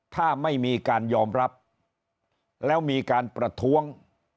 ถ้าไม่มีการยอมรับแล้วมีการประท้วง